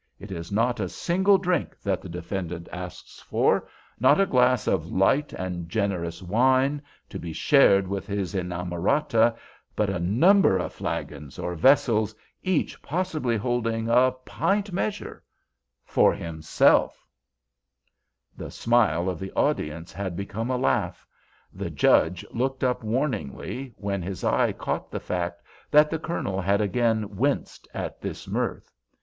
It is not a single drink that the defendant asks for—not a glass of light and generous wine, to be shared with his inamorata—but a number of flagons or vessels, each possibly holding a pint measure—for himself!" The smile of the audience had become a laugh. The Judge looked up warningly, when his eye caught the fact that the Colonel had again winced at this mirth.